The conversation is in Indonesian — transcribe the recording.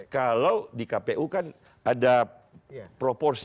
kalau di kpu kan ada proporsi